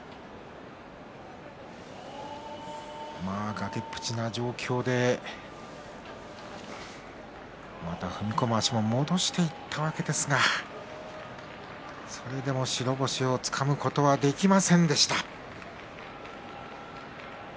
崖っぷちな状況で踏み込む足を戻していったんですがそれでも白星をつかむことができませんでした。